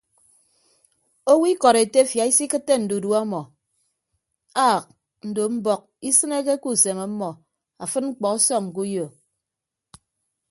Owo ikọd etefia isikịtte ndudue ọmọ aak ndo mbọk isịneke ke usem ọmmọ afịd mkpọ ọsọñ ke uyo.